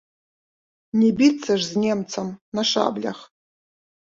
Не біцца ж з немцам на шаблях.